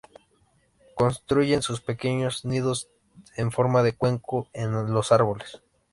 Construyen sus pequeños nidos en forma de cuenco en los árboles.